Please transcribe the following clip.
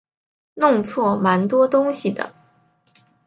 弄错蛮多东西的